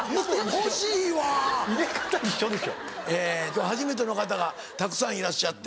今日は初めての方がたくさんいらっしゃって。